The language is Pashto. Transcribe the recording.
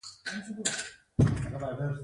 د دولت اباد ځمکې للمي دي